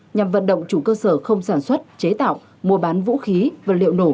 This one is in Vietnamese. nhằm vận động chủ cơ sở không sản xuất chế tạo mua bán vũ khí vật liệu nổ